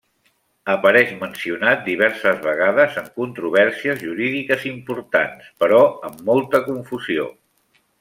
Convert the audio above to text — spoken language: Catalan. Apareix mencionat diverses vegades en controvèrsies jurídiques importants, però amb molta confusió.